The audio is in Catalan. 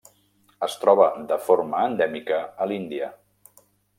Es troba de forma endèmica a l'Índia.